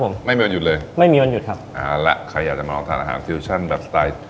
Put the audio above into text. เปิด๕โมงเย็นปิดเท่าเช้นครับ